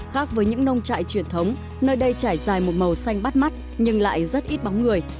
khác với những nông trại truyền thống nơi đây trải dài một màu xanh bắt mắt nhưng lại rất ít bóng người